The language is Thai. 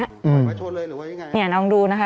ถอยชนเลยหรือว่าอย่างไรนะครับ